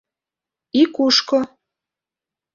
И кушко?